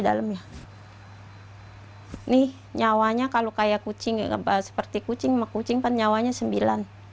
dalamnya nih nyawanya kalau kayak kucing enggak bahas seperti kucing kucing penyawanya sembilan